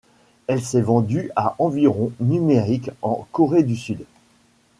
Elle s'est vendue à environ numériques en Corée du Sud.